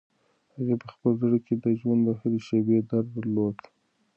هغې په خپل زړه کې د ژوند د هرې شېبې درد درلود.